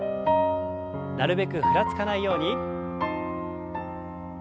なるべくふらつかないように。